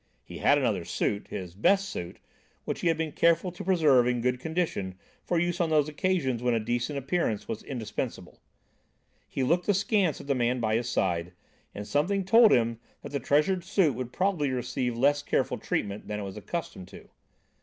He had another suit, his best suit, which he had been careful to preserve in good condition for use on those occasions when a decent appearance was indispensable. He looked askance at the man by his side and something told him that the treasured suit would probably receive less careful treatment than it was accustomed to.